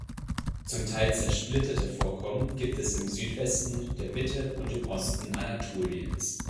Zum Teil zersplitterte Vorkommen gibt es im Südwesten, der Mitte und im Osten Anatoliens.